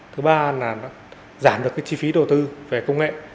thứ ba là giảm được chi phí đầu tư về công nghệ